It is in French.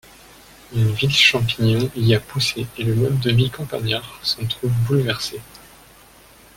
Une ville-champignon y a poussé et le mode de vie campagnard s'en trouve bouleversé.